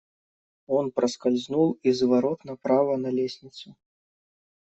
Он проскользнул из ворот направо на лестницу.